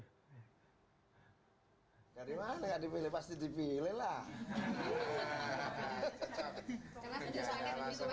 gimana gak dipilih pasti dipilih lah